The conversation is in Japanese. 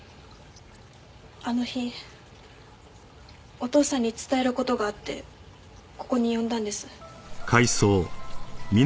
あの日お父さんに伝える事があってここに呼んだんです。